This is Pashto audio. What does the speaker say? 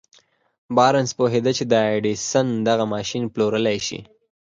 بارنس پوهېده چې د ايډېسن دغه ماشين پلورلای شي.